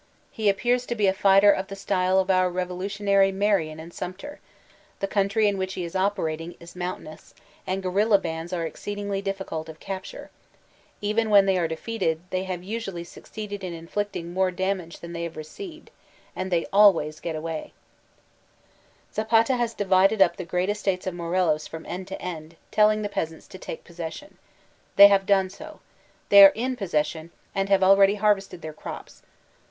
He appears to be a fighter of the style of our revolutionary Marion and Sumter; the country in which he is operating is moun* tainous, and guerilla bands are exceedingly difficult of capture ; even when they are defeated, they have usually tuoceeded in inflicting more damage than they have re ceived, and they always get away. 264 VOLTAIRINE DE ClEYRE Zapata has divided up the great estates of Morelos from end to end, telling the peasants to take possession. They have done so. They are in possession, and have already harvested their crops.